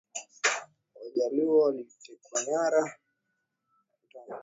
Wajaluo waliotawanyika kutoka kwa makundi mbalimbali ya Waluo ndiyo maana hawana jina maalum la